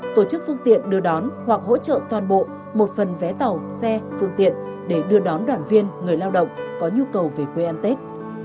tổ chức phương tiện đưa đón hoặc hỗ trợ toàn bộ một phần vé tàu xe phương tiện để đưa đón đoàn viên người lao động có nhu cầu về quê ăn tết